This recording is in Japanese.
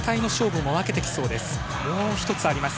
もう一つあります。